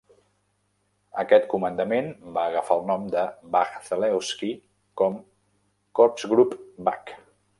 Aquest comandament va agafar el nom de Bach-Zelewski, com "Korpsgruppe Bach".